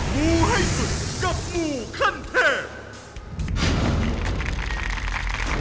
งูให้สุดกับงูขั้นเทพ